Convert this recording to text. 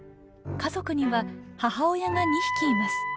家族には母親が２匹います。